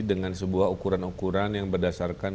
dengan sebuah ukuran ukuran yang berdasarkan